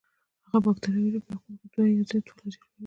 هغه باکتریاوې چې په یو قطب کې دوه یا زیات فلاجیل ولري.